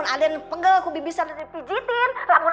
kalau kamu penat kamu bisa dipijitkan